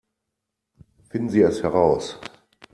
Finden Sie es heraus!